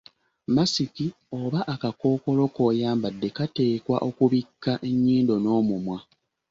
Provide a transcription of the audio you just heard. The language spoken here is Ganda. Masiki oba akakookolo k'oyambadde kateekwa okubikka ennyindo n’omumwa.